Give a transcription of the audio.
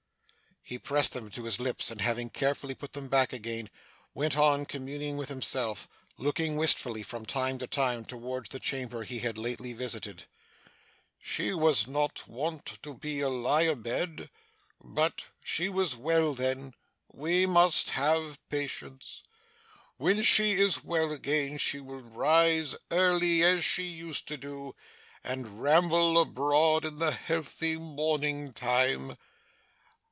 He pressed them to his lips, and having carefully put them back again, went on communing with himself looking wistfully from time to time towards the chamber he had lately visited. 'She was not wont to be a lie abed; but she was well then. We must have patience. When she is well again, she will rise early, as she used to do, and ramble abroad in the healthy morning time.